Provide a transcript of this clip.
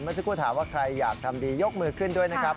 สักครู่ถามว่าใครอยากทำดียกมือขึ้นด้วยนะครับ